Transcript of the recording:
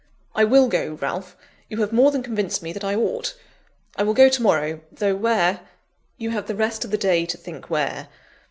"I will go, Ralph; you have more than convinced me that I ought! I will go to morrow, though where " "You have the rest of the day to think where.